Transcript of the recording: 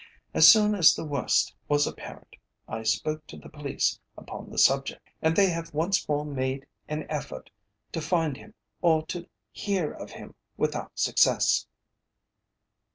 As soon as the worst was apparent, I spoke to the police upon the subject, and they have once more made an effort to find him or to hear of him, without success.